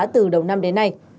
từ đầu năm đến nay